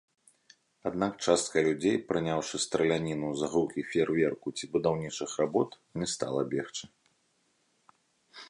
Аднак частка людзей, прыняўшы страляніну за гукі феерверку ці будаўнічых работ, не стала бегчы.